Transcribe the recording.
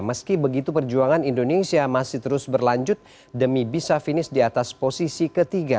meski begitu perjuangan indonesia masih terus berlanjut demi bisa finish di atas posisi ketiga